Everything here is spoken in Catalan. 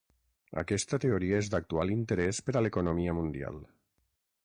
Aquesta teoria és d'actual interès per a l'economia mundial.